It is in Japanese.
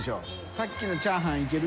さっきのチャーハンいける？